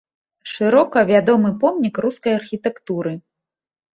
Шырока вядомы помнік рускай архітэктуры.